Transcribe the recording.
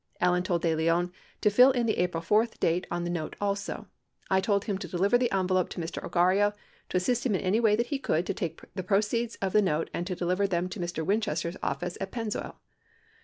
Allen told De Leon to fill in the April 4 date on the note also ; "I told him to deliver the envelope to Mr. Ogarrio, to assist him in any way that he could, to take the proceeds of the note and to deliver them to Mr. Winchester's office at Pennzoil."